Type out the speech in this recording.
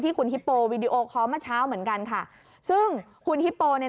คุณฮิปโปวีดีโอคอลเมื่อเช้าเหมือนกันค่ะซึ่งคุณฮิปโปเนี่ย